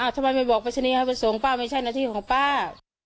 ทำไมไปบอกปริศนีให้ไปส่งป้าไม่ใช่หน้าที่ของป้า